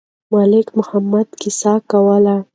ملک محمد قصه کوله.